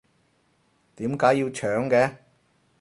點解要搶嘅？